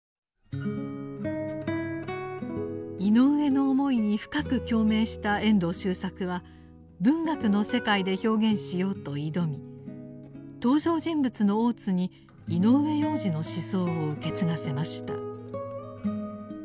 井上の思いに深く共鳴した遠藤周作は文学の世界で表現しようと挑み登場人物の大津に井上洋治の思想を受け継がせました。